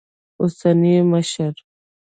اوسني مشر